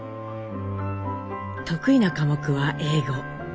得意な科目は英語。